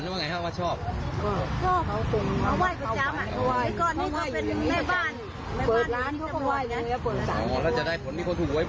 มาถวายครับท่านชอบแบบนี้ค่ะอ๋อท่านข้าวรถเข้าปืนหรอ